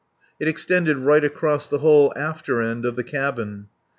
It extended right across the whole after end of the cabin.